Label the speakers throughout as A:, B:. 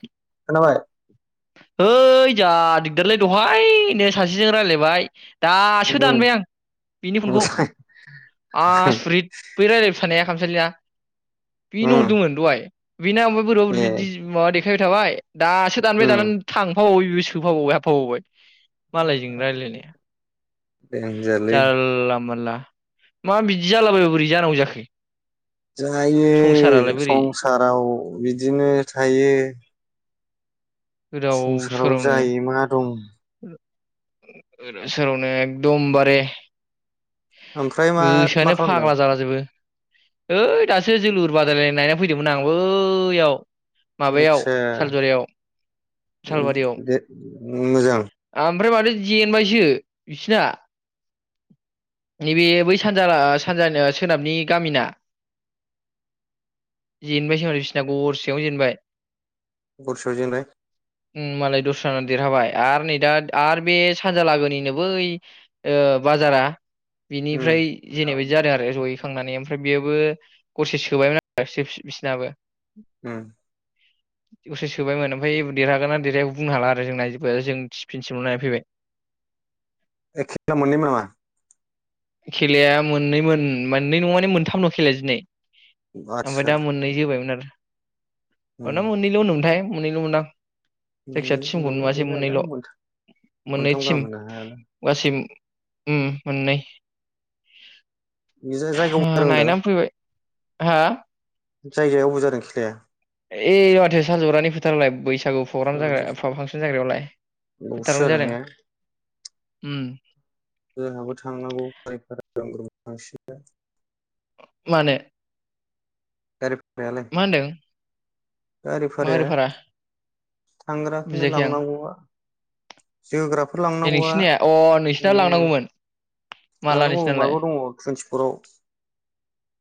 A: [unintelligible]
B: खोनाबाय
A: है जा दिगदारलै दहायनो सासेजों रायज्लायबाय दासो
B: उम
A: दानबाय आं बिनि फनखौ
B: ओमफ्राय
A: आस सुरित बै रायज्लायबाय थानाया। खामसालिया
B: उम
A: बिनो हरदोंमोन दहाय। बेनो आंनोबो बोरैबा बोरैबि
B: ए
A: दि माबा देखाय [unintelligible] थाबाय दासो दानबाय
B: उम
A: दानानै थां हााबाव बेबो सोफाबावबाय हाबफाबावबाय मालायजों रायलायनाया
B: देनजारलै
A: जारला मोनला मा बिदि जालाबायाबो बोरै जानांगौ जाखो संसारालाय
B: जायो
A: बोरै
B: संसाराव बिदिनो थायो
A: गोदाव
B: संसाराव जायि मा दं?
A: सारावनो एकदमबारे
B: ओमफ्राय मा मा
A: गोसोआनो
B: खालामदों
A: फाग्ला जाला जोबो। ओइ दासो जोलुर बादायलायनाय नायना फैदोंमोन आं बैयाव माबायाव
B: आदसा
A: सालजरायाव सालबारियाव
B: दे मोजां।
A: ओमफ्राय माथो जेनबायसो बिसिना नैबे बै सानजाना सानजाना ओ सोनाबनि गामिना जेेनबायसो हनै बिसिना गरसेयावनो जेनबाय
B: गरसेयावजोंलाय
A: उम्म मालाय दस्राना देरहाबाय आरो नै दा आर बे सानजालागोनिनो बै ओ बाजारा
B: उम
A: बिनिफ्राय जेनेबायाददि जादों आरो जयै खांनानै ओमफ्राय बेयोबो गरसे सोबाय मोन [unintelligible] आरो बिसिनाबो
B: उम
A: [unintelligible] सोबायमोन ओमफाय देरहागोना देरहाया बुंनो हाला आरो नायजोब [unintelligible] जों थिफिन सिमल' नायफैबाय
B: एखिबना मोननै नामा?
A: खेलाया मोननै मोन मोननै नङाने मोनथामल' खेलाया दिनै
B: आदसा
A: ओमफ्राय दा मोननै जोबायमोन आरो
B: उम
A: मोनथाम मोननैल' होनदोंमोन थाय। मोनैल'मोन दां
B: [unintelligible]
A: से मोननैल' मोननै
B: मोनथाम
A: टिम
B: गाहाम होनो हायालै
A: गासै उम मोननै
B: जायगायाव बबेयाव
A: नायनानै फैबाय। हा?
B: जायगायाव अबाव जादों खिलाया?
A: ओइ माथो सालज'रानि फोथारावलाय बैसागु प्रग्राम जाग्रा
B: सारि
A: फांसन जाग्रायावलाय
B: बावसो
A: फोथारावनो जादों।
B: ने
A: उम
B: जोंहाबो थांनांगौ [unintelligible] थांसिगोन।
A: मानो?
B: [unintelligible]
A: मा होनदों मा गारि भारा?
B: थांग्राखौनो लांनांगौआ जोग्राफोर
A: ए
B: लांनांगौआ
A: नोंसिनिया अ नोंसिना
B: उम
A: लांनांगौमोन माला
B: लांनांगौ माबायाव दङ [unintelligible] ब्र'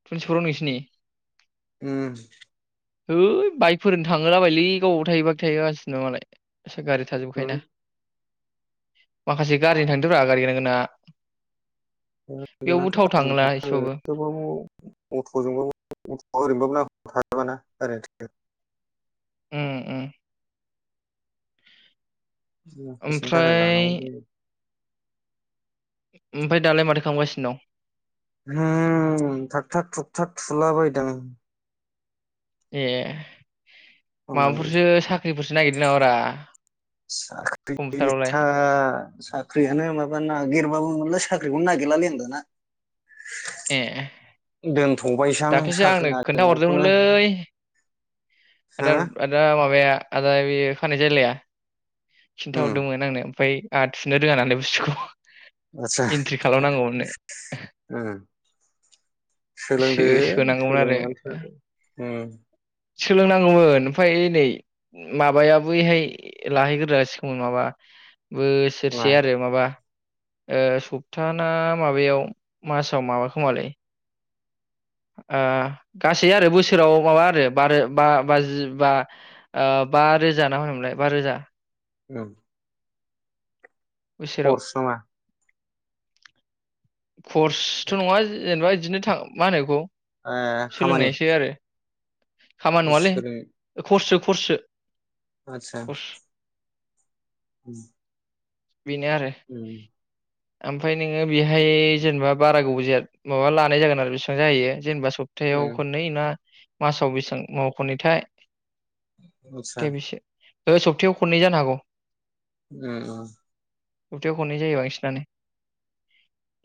A: टुइनटि फर आव नोंसिनि?
B: उम
A: है बाइकफोरनो थाङोलाबायलै गावबाव [unintelligible] थाहोगासिनो मालाय। एसे गारि थाजोबखायो
B: उम
A: ना। माखासे गारिनि थांदो ब्रा गारि गोनां गोनांङा।
B: [unintelligible] थेवबाबो
A: एसेबाबो
B: अट'जोंबाबो अट' ओरैबाबो [unintelligible]
A: उम्म उम्म
B: हसेरनि थाखाय
A: ओमफ्राय
B: लानांगौ जायो।
A: ओमफाय दालाय माथो खालामगासिनो? न'
B: हम थाग थाग थुक थाग थुलाबायदों।
A: ए माबाफोरसो
B: [unintelligible]
A: साख्रिफोरसो नागिरदों नामारा
B: साख्रि
A: कम्पिउटारावलाय
B: था साख्रियानो माबा नागिर औ [unintelligible] साख्रिखौनो नागिरलालै [unintelligible] दाना
A: ए
B: दोनथ'बायसां
A: दाख्लैसो
B: साख्रि
A: आंनो खोन्था
B: नागिरनायखौनो
A: हरदोंमोनलै।
B: हो
A: आदा आदा माबाया आदा बे खानाय जायलाया।
B: उम
A: खिन्थाहरदोंमोन आंनो ओमफ्राय आ थुनो रोङा नालाय बुस्थुखौ।
B: आदसा,
A: एन्ट्रि खालामनांगौमोननो
B: उम सोलोंदो
A: सो-सोनांगौमोन आरो
B: सोलोंनानै थादो उम।
A: सोलोंनांगौमोन ओमफ्राय नै माबाया बैहाय लाहैग्रोजासिगोन माबा
B: मा
A: बोसोरसे आरो माबा ओ सप्ता ना माबायाव मासाव माबा खोमालै ओ गासै आरो बोसोराव माबा आरो बारो बा बाजि बा ओ बा रोजा ना मा होनोमोनलाय बा रोजा।
B: औ।
A: बोसोराव
B: कर्स नङा
A: कर्सथ नङा जेनेबा दिनो थां मा होनो बेखौ
B: ए खामानि
A: सोलोंनायसो आरो खामानि नङालै खर्ससो। खरसो
B: आतसा। उम।
A: बिनो आरो।
B: उम
A: ओमफ्राय नोङो बेहाय जेनेबा बारा गोबाव जाया माबा लानाय जागोन आरो बेसेबां जाहोयो जेनबा सपथायाव
B: उम
A: खोननै ना मासाव बेसेबां मावख'निथाय
B: आदसा
A: दे बिसे ओ सप्तायाव खननै जानो हागौ।
B: उम उम।
A: सप्ताथायाव खननै जायो बांसिनानो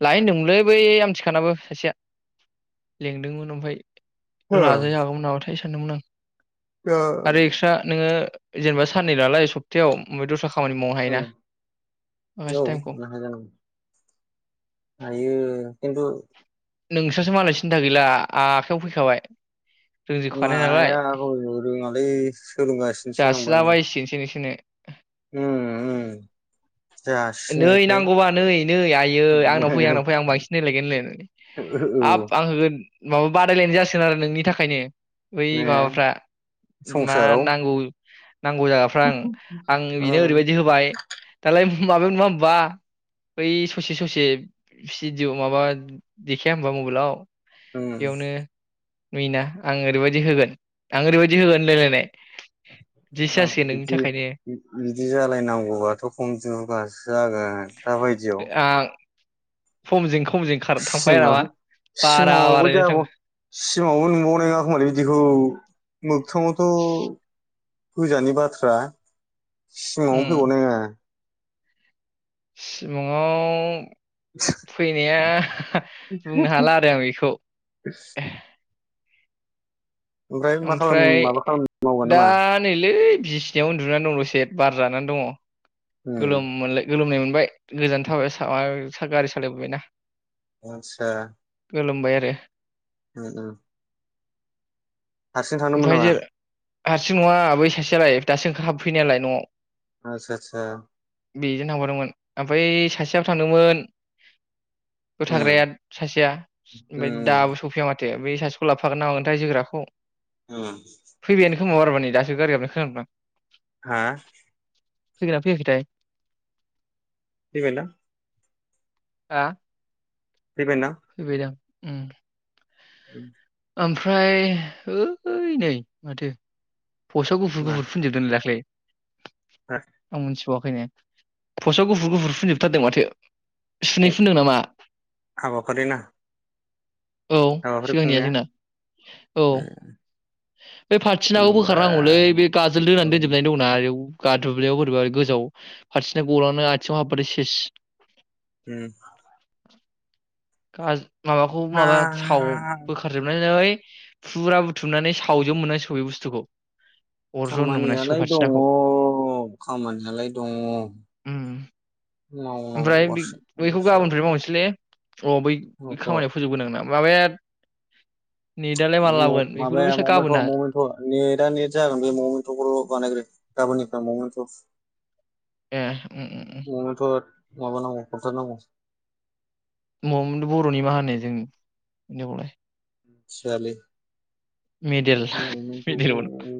A: लाय होनदोंमोनलै बै आमथिखानाबो सासेया लेंदोंमोन ओमफाय
B: हो
A: [unintelligible] सानदोंमोन आं।
B: दा
A: आरो एक्सट्रा नोङो जेनेबा साननै नालाय सप्तायाव ओमफाय दस्रा खामानि मावनो हायोना।
B: उम
A: माखासे
B: औ
A: टाइमखौ
B: [unintelligible] हायो खिनथु
A: नोंस्रासो मालाय सिन्था गैला आखयाव फैखाबाय रोंजोबखानाय
B: माया [unintelligible] [unintelligible] आंबो
A: जासिला
B: नै
A: बायसिगोनसो नोंसोरनो
B: उम
A: नै
B: जासिनायखाय
A: नांगौबा नै नै आइयै आंनाव फै आंनाव फै
B: औ
A: आं बांसिन नायलायगोन होनलायनानै हाब आं होगोन माबा बादायलायनाय जासिगोन आरो नोंनि थाखायनो ओय
B: ने
A: माबाफ्रा मा
B: संसाराव
A: नांगौ नांगौ जागाफ्रा आं आं
B: ओ
A: बेनो ओरैबायदि होबाय दालाय माबायाव नुआ होनबा बै ससे ससे भिडिय माबा देखाया होनबा मबाइलाव
B: ओ
A: बेयावनो नुयोना आं ओरैबायदि होगोन आं ओरैबायदि होगोन होनलाय लायनाय
B: बिदि बिदि जालायनांगौबाथ खम [unintelligible] जागोन दाबायदियाव
A: [inaudible] फनजों
B: सिमा सिमाङावबो
A: बारायनो थां
B: जाब सिमाङावबो नुबावनाय नङा खोमालै बिदिखौ मोगथाङाव थ फुजानि बाथ्रा सिमाङावनो फैबावनो होआ
A: सिमाङाव फैनाया बुंनो हाला आरो आं बेखौ
B: मा खालाम
A: ओमफ्राय
B: माबा खालाम मावगोन
A: दा
B: नामा
A: नैलै बिसिनायाव उन्दुनानै दङ' दसे बार जानानै दङ'।
B: उम
A: गोलोम मोनलाय गोलोमनाय मोन‌ बाय गोजान थाबाय गारि सालायबोबायना
B: आतसा
A: गोलोमबाय आरो
B: उम उम हारसिं थांदोंमोन
A: ओमफ्राय
B: नामा?
A: जे हारसिं नङा बै सासेयालाय दासो ओंखार हाबफैनायालाय नआव
B: आतसा आतसा
A: बेजों थांफादोंमोन ओमफ्राय सासेयाबो थांदोंमोन
B: उम
A: थाग्राया सासेया
B: उम
A: ओमफाय दाबो सौफैया माथो दे बै सासेखौ लाबो फागोनना मागोनथाय जोग्राखौ
B: उम
A: फैबायानो खोमा बाराबा नै दासो गारि गाबनाय खोनाबाय आं
B: हा
A: फैखोना फैयाखैथाय।
B: फैबायदां
A: आ।
B: फैबाय ना?
A: उम।
B: [unintelligible]
A: ओमफ्राय ओइ नै माथो फस्टआव गुुफुर
B: मा
A: गुफुर फुनजोबदोंनो दाख्लै। [unintelligible]
B: हा
A: सवाखैनो फसआव गुफुर गुफुर फुनजोबथारदों माथो। सुनै फुनदों नामा
B: हाबाफारि ना?
A: औ
B: हाबाफारि
A: सिगांनिया
B: खुंनाया
A: जोंना। औ
B: उम।
A: बे फारथिनाव बोखार
B: खुन्दुंब्रा
A: नांगौलै बे गाजोल दोनानै
B: उम
A: दोनजोबनाय दंना आयौ। गा दुब्लियाव बोरैबा गोजाव फारसेथिं गलांना आथिङाव हाबबाथाय सेस
B: उम
A: गाज माबाखौ
B: हा
A: माबा साव बोखारजोबनाय जाबाय फुरा बुथुमनानै सा फावजों मोननाय सिगौ बे बुस्थुखौ अर जनो मोननांसिगौ
B: खामानियालाय दङ
A: फाथिनाखौ
B: खामानियालाय दङ
A: उम ओमफ्राय
B: मावनांगौआसो
A: बैखौ
B: बिसो जाबाय
A: गाबोननिफ्राय मावनोसैलै अ बै खामानियाव फोजोबगोन आं माबाया नेटलाय माला लाबोगोन बेफोरनो
B: मबेलखौ नेद आ नेट जागोन बे मबेलखौल' बानायग्रो गाबोननिफ्राय मबेलखौ
A: ए उम उम उम
B: माबा लांबा खथार नांगौ
A: ममदो बर'नि मा होनो जोंनि इहावलाय?
B: मिथियालै
A: मिडेल
B: नोंखौ
A: [unintelligible]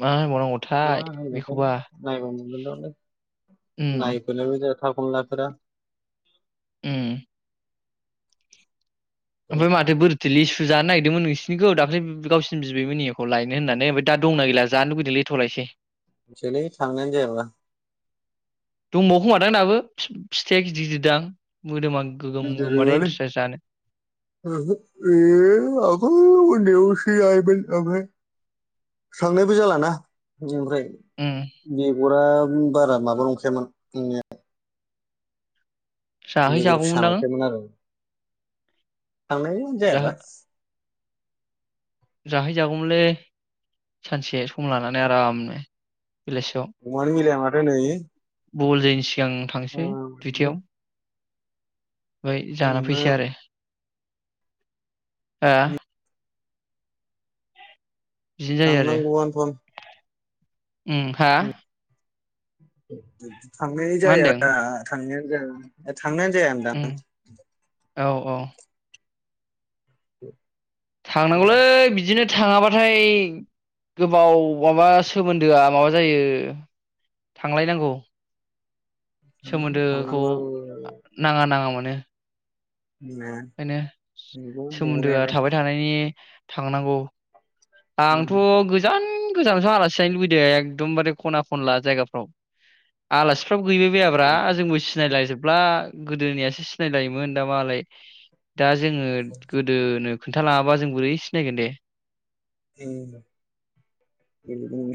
A: मा होनबाव नांगौ?
B: मा होनगोन बे नायबा मोनगोन दलाय
A: उम
B: नायफैनायाबो जाया थालखौनो लाथारा।
A: उम ओमफाय माथो बोरैथो लिसु जानो नायगिदोंमोन नोंसिनिखौ दाख्लै बि गावसिनि बिबैमोननिखौ लायनो होननानै ओमफाय दा दंना गैला जानो लुबैदोलै थ' लायसै
B: मिथियालै थांनायानो जायाबा
A: दंबावोखोमादां दाबो फिथ फिथाइया गिदिर गिदिरदां मोदोमां
B: गिदिर नोङालै ओहो ओय आगोल ओन्दैयावस [unintelligible] थांनायबो जालाना ओफ्राय
A: उम
B: बेगराब उम बारा माबा नंखायामोन नंनाया
A: जाहै
B: बेगुर फिसा
A: जागौमोनदां
B: नखायामोन आरो थांनाय आनो जायाबा
A: जाहैजागौमोनलै सानसे सम लानानै आरामनो बेलासियाव
B: समानो मिलाया माथो नै
A: बल जोयिनसि सिगां थांसै दुइथायाव। ओय जाना
B: थांनो
A: फैसै आरो ओआ बिदिनो जायो आरो
B: थांनांगौआनथन
A: उम हा
B: [unintelligible] थांनाय
A: मा
B: जाया।
A: होनदों
B: थांनायानो जाया [unintelligible] थांनायानो जाया ओनदां
A: अह
B: [inaudible]
A: थांनांगौलै बिदिनो थाङाबा फाय गोबाव माबा सोमोन्दोआ माबाजायो थांलायनांगौ।
B: थांनानै
A: सोमोन्दो खौ
B: थांनांगौ होनना
A: नाङा नाङामोन नो खायनो
B: नंगौ
A: सोमोन्दोआ
B: नंनायालाय
A: थाबाय थानायनि थांनांगौ। आंथ गोजान जानावसो आलासिजाहैनोलुगैदो एकदमबारे खना खनला जायगाफ्राव आलासिफ्राबो गैबायबायाब्रा जोंबो सिनायलायजोब ब्ला गोदोनियासो सिनायलायोमोन दामालाय दा जोङोद गोदोनो खोन खोनथा लाङाबा जों बोरै सिनायगोन दे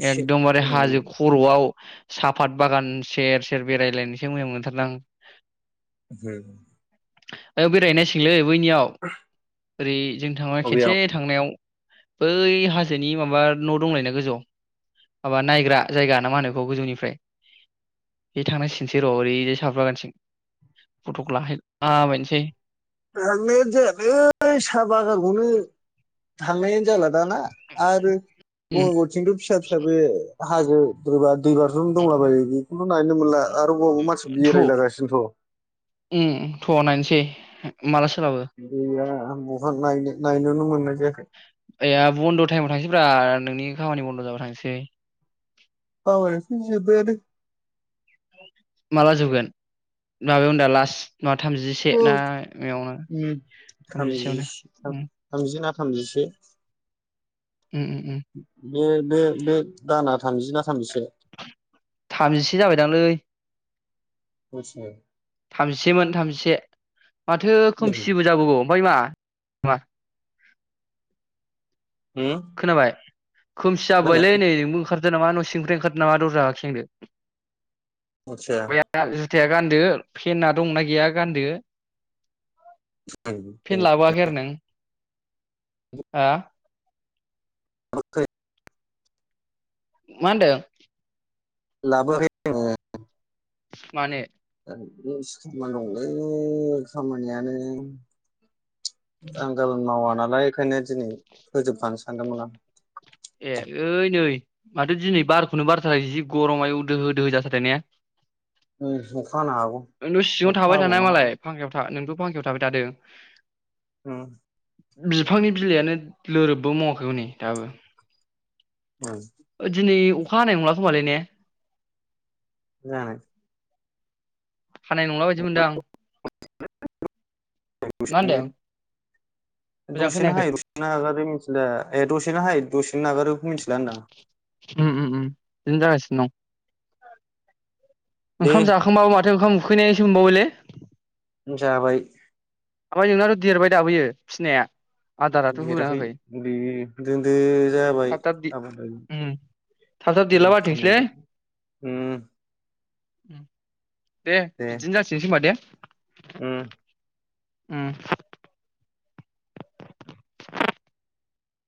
A: एकदमबारे हाजो खर'आव साफात बागान सेर सेर बेरायलायनोसो मोजां मोनथारदां।
B: होम
A: ओ बेरायहैनांसिगोनलै बैनियाव ओरै जों थांना खेनसे थांनायाव बै हाजोनि माबा न दंलायोना गोजौआव माबा नायग्रा जायगा ना मा होनो गोजौनिफ्राय इथ थांनांसिगोनसोर ओरैजाय साफात बागानथिं फटक
B: सोद हांनाय जायालै साहा बागानखौनो थांनायानो जाला दाना आरो
A: उम
B: बङायगावथिंथ फिसा फिसाबो। हाजो दोबा दै बाज्रुम दंलाबायो बेखौनो नायनो मोनला। आरो अबा अबा मानसि
A: थ'
B: बेरायलागासिनोथ।
A: उम थ नायनोसै। माला सोलाबो
B: [unintelligible] नायनो नायनोल मोननाय जायाखै
A: आया बन्द टाइमाव थांसैब्रा। नोंनि खामानि बन्द जाबा थांसै।
B: औ [unintelligible] जोबबायानो।
A: माला जोबगोन माबायावनोदा लास्ट मा थामजिसे ना बेयावनो
B: उम,
A: थामजिसेयावनो
B: थामजिसे थाम
A: उम
B: थामजि ना थामजिसे।
A: उम उम
B: बे बे बे दाना थामजि ना? थामजिसे
A: थामजिसे जाबायदांलै [inaudible]
B: खसियो
A: थामजिसेमोन थामसे माथो
B: होम
A: खोमसिबो जाबोगौ बैमा मा? [inaudible] खोनाबाय? खोमसि
B: मा
A: जाबोबायले
B: होनदों
A: नै नोंबो ओंखार दो नामा न सिंनिंफ्राय ओंखारदों नामा दरजा खेंदो
B: अलसिया
A: थाया गानदो फेना दंना गैया गानदो फेन लाबोआखै आरो नों? हा
B: [unintelligible]
A: मा होनदों?
B: लाबो [unintelligible]
A: मानो?
B: [unintelligible] दंलै खामानियानो। आं गाबोन मावाना नालाय बेखायनो दिनै फोजोबखानो सानदोंमोन आं।
A: ए ओइ नै माथो दिनै बारखौनो बारथाराखै जि गरम आयु दोहो दोहो जाथारदो ने
B: आं उम अखा हानो हागौ
A: न' सिङाव
B: अखा
A: थाबाय थानाय
B: हाबावनो हागौ
A: मालाय फांखायाव था नोंथ फांकायाव थाबाय थादो।
B: उम
A: बिफांनि बिलाइयानो लोरोबबो मावाखै हनै दाबो ओ दिनै अखा हानाय नंला खोमालै ने?
B: जानो
A: हानाय नंला बायदि मोनदों आं
B: [unintelligible]
A: मा
B: दसेनो
A: होनदों मोजां
B: दसेनो
A: खोनायाखै
B: हायो दसेनो मिथिला ए दसेनो हायो दसे मिथिला होनदां
A: उम उम उम बिदिनो जागासिनो दं।
B: दे
A: ओंखाम जाखांबाबो माथो ओंखाम उखैनायसो मोनबावबायलै।
B: जाबाय
A: नोंनाथ' देरबाय दा बैयो फिसिनाया? आदाराथ' होना
B: देराखै
A: होआखै
B: बे दोनदो जाबाय
A: थाब थाब दे
B: आबाद
A: उम थाब थाब देरला बारथोंसैलै
B: खामानिखौ उम।
A: उम दे बिदिनो जाथिंसै होनोमबा दे
B: उम।
A: उम